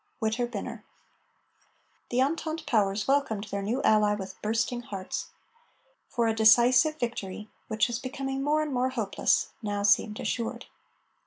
WITTER BYNNER. The Entente Powers welcomed their new ally with bursting hearts, for a decisive victory, which was becoming more and more hopeless, now seemed assured.